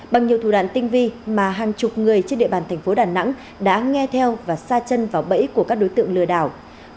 bằng nhiều thủ đoạn tinh vi mà hàng chục người trên địa bàn thành phố đà nẵng đã nghe theo và xa chân vào bẫy của các đối tượng lừa đảo